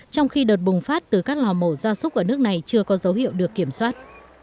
trong khi đợt bùng phát từ các lò mổ gia súc ở nước này chưa có dấu hiệu được kiểm soát